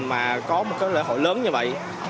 mà có một lễ hội lớn như vậy